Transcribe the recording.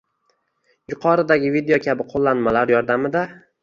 – yuqoridagi video kabi qo‘llanmalar yordamida